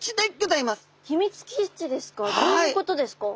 どういうことですか？